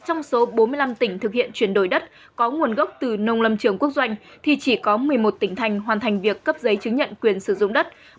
trong số bốn mươi năm tỉnh thực hiện chuyển đổi đất có nguồn gốc từ nông lâm trường quốc doanh thì chỉ có một mươi một tỉnh thành hoàn thành việc cấp giấy chứng nhận quyền sử dụng đất